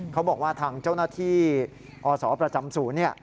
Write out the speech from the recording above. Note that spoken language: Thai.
เขาบอกว่าทางเจ้าหน้าที่อศประจำศูนย์